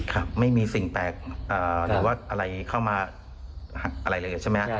ครับไม่มีสิ่งแปลกหรือว่าอะไรเข้ามาอะไรเลยใช่ไหมครับ